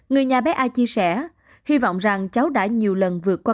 người nhà bé ai chia sẻ hy vọng rằng cháu đã nhiều lần vượt qua